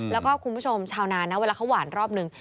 แล้วก็คุณผู้ชมชาวนานนะเวลาเขาหวานรอบนึง